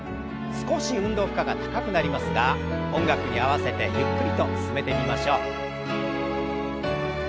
少し運動負荷が高くなりますが音楽に合わせてゆっくりと進めてみましょう。